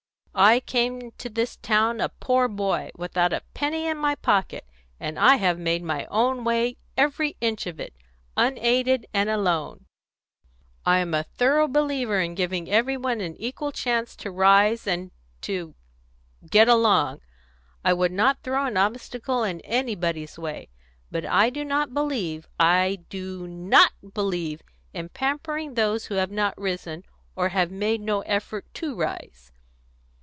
"I came into this town a poor boy, without a penny in my pocket, and I have made my own way, every inch of it, unaided and alone. I am a thorough believer in giving every one an equal chance to rise and to get along; I would not throw an obstacle in anybody's way; but I do not believe I do not believe in pampering those who have not risen, or have made no effort to rise."